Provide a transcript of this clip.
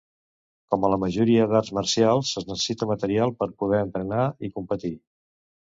Com a la majoria d'arts marcials, es necessita material per poder entrenar i competir.